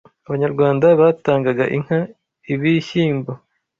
Abanyarwanda batangaga inka, ibishyimbo,